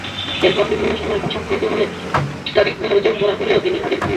এরপর বিভিন্ন সময়ে সাক্ষ্য গ্রহণের তারিখধার্য করা হলেও িতনি হাজির হননি।